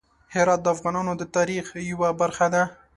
هرات د افغانانو د تاریخ یوه برخه ده.